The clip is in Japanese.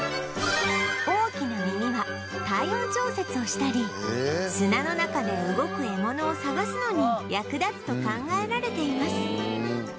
大きな耳は体温調節をしたり砂の中で動く獲物を探すのに役立つと考えられています